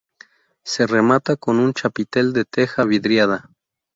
Se remata con un chapitel de teja vidriada.